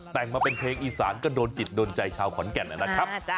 แต่งมาเป็นเพลงอีสานก็โดนจิตโดนใจชาวขอนแก่นนะครับ